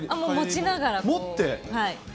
持って？